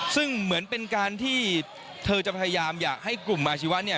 ซึ่งเหมือนเป็นการที่เธอจะพยายามอยากให้กลุ่มอาชีวะเนี่ย